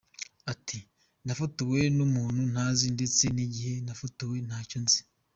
Ati “Nafotowe n’umuntu ntazi ndetse n’igihe nafotorewe ntacyo nzi.